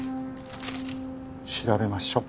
調べましょう。